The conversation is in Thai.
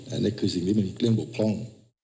อันนี้คือสิ่งที่มันเรื่องบกพร่อง